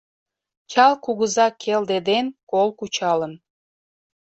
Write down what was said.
Чал кугыза келде ден кол кучалын